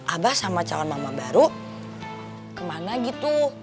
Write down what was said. abah sama calon mama baru kemana gitu